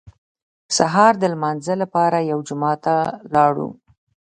سهار د لمانځه لپاره یو جومات ته لاړو.